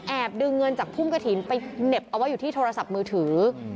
ดึงเงินจากพุ่มกระถิ่นไปเหน็บเอาไว้อยู่ที่โทรศัพท์มือถือ